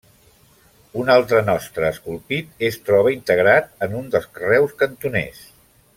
Un altre nostre esculpit es troba integrat en un dels carreus cantoners.